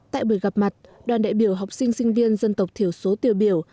tại buổi gặp mặt đoàn đại biểu học sinh sinh viên dân tộc thiểu số tiêu biểu